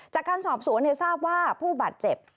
จากการสอบสวนทราบว่าผู้บาดเจ็บ